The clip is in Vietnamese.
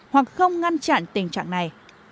hoặc không ngăn chặn tình trạng này